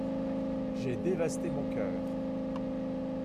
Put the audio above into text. J'ai dévasté mon cœur.